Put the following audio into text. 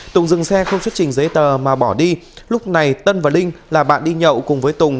tùng dừng xe không xuất trình giấy tờ mà bỏ đi lúc này tân và linh là bạn đi nhậu cùng với tùng